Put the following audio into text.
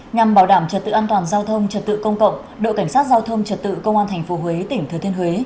nhằm bảo đảm trật tự an toàn giao thông trật tự công cộng đội cảnh sát giao thông trật tự công an tp huế tỉnh thừa thiên huế